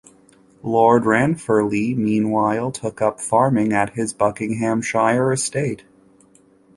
Lord Ranfurly, meanwhile, took up farming at his Buckinghamshire estate.